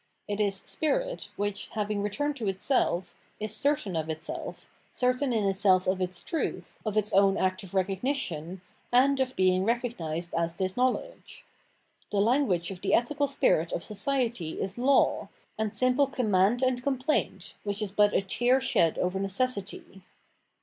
It is spirit which, having returned to itself, is certain of itself, certain in itself of its truth, of its own act of recogmtion, and of being recognised as this knowledge. The language of the ethical spirit of society is law, and simple command and complaint, which is but a tear shed over necessity.